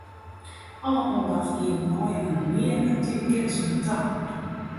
Alle oandacht giet nei in mear aktive kennis fan 'e taal.